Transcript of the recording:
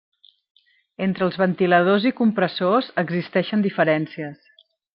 Entre els ventiladors i compressors existeixen diferències.